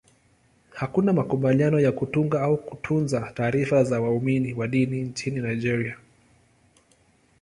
Hakuna makubaliano ya kutunga au kutunza taarifa za waumini wa dini nchini Nigeria.